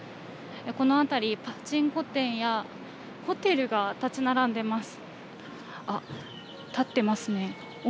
この辺り、パチンコ店やホテルが立ち並んでいます。